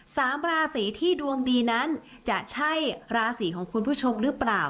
สามราศีที่ดวงดีนั้นจะใช่ราศีของคุณผู้ชมหรือเปล่า